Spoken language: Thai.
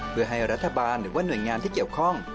เพื่อให้รัฐบาลหรือว่าหน่วยงานที่เกี่ยวข้อง